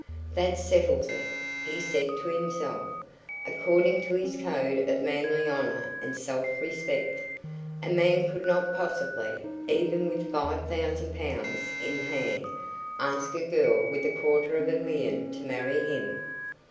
"That settles it," he said to himself. According to his code of manly honour and self respect, a man could not possibly, even with five thousand pounds in hand, ask a girl with a quarter of a million to marry him.